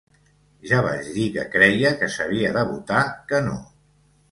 Ja vaig dir que creia que s’havia de votar que no.